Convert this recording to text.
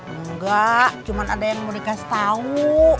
enggak cuman ada yang mau dikasih tau